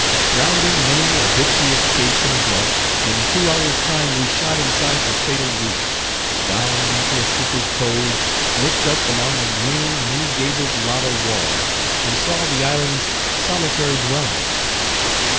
Rounding many a vitreous cape and bluff, in two hours' time we shot inside the fatal reef; wound into a secret cove, looked up along a green many gabled lava wall, and saw the island's solitary dwelling.